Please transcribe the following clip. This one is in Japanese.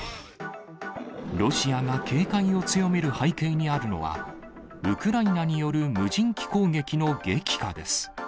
ロシアが警戒を強める背景にあるのは、ウクライナによる無人機攻撃の激化です。